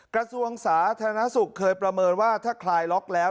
กระทรวงสาธารณสุขเคยประเมินว่าถ้าคลายล็อกแล้ว